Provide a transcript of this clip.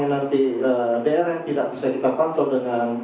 kita perlu menaikkan drone